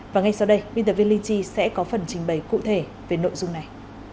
và ngay sau đây biên tập viên linh chi sẽ có phần trình bày cụ thể về nội dung này